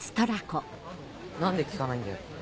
何で聞かないんだよ？